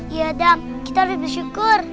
iya dam kita harus bersyukur